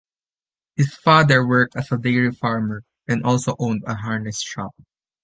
His father worked as a dairy farmer and also owned a harness shop.